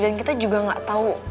dan kita juga gak tau